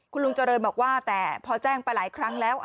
คุณลุงเจริญบอกว่าแต่พอแจ้งไปหลายครั้งแล้ว